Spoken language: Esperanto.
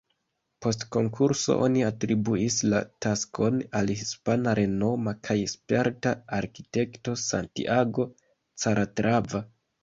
Post konkurso, oni atribuis la taskon al hispana renoma kaj sperta arkitekto Santiago Calatrava.